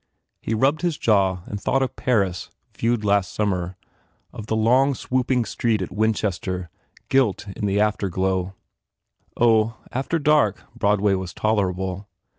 ; He rubbed his jaw and thought of Paris, viewed last summer, of the long, swooping street at Winchester gilt in an after, glow. Oh, after dark Broadway was tolerable!